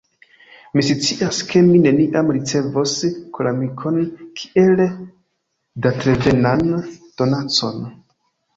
Mi scias ke mi neniam ricevos koramikon kiel datrevenan donacon.